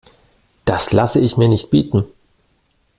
Das lasse ich mir nicht bieten!